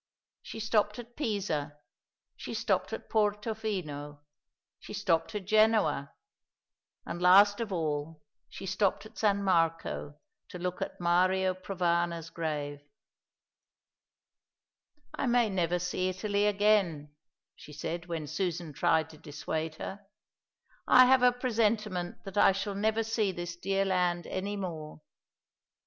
She stopped at Pisa, she stopped at Porto Fino, she stopped at Genoa; and last of all, she stopped at San Marco to look at Mario Provana's grave. "I may never see Italy again," she said, when Susan tried to dissuade her. "I have a presentiment that I shall never see this dear land any more."